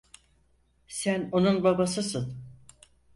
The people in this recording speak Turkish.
Sen onun babasısın.